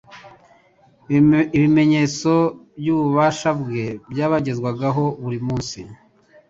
Ibimenyetso by'ububasha bwe byabagezwagaho buri munsi